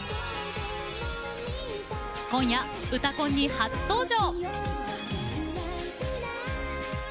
今夜、「うたコン」に初登場！